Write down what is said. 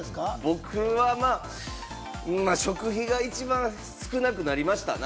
僕は食費が一番少なくなりました。